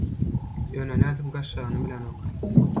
ýöne nädip gaçjagyny bilenok.